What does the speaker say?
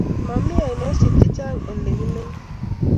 Mami ainosyek chechang' oleki menye.